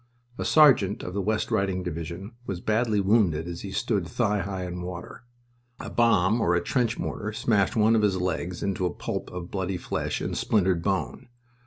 A sergeant of the West Riding Division was badly wounded as he stood thigh high in water. A bomb or a trench mortar smashed one of his legs into a pulp of bloody flesh and splintered bone.